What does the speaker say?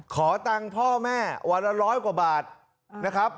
ขอตังค์พ่อแม่วันละร้อยกว่าบาทนะครับ